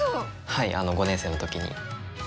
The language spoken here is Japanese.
はい５年生の時に。